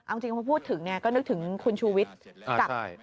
เอาจริงพอพูดถึงเนี่ยก็นึกถึงคุณชูวิทย์กับ